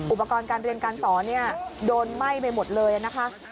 อุปกรณ์การเรียนการสอนโดนไหม้ไปหมดเลยนะคะ